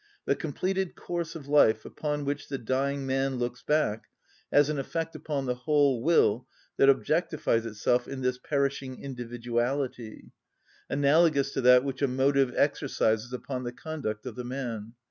The completed course of life upon which the dying man looks back has an effect upon the whole will that objectifies itself in this perishing individuality, analogous to that which a motive exercises upon the conduct of the man.